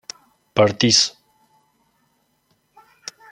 partís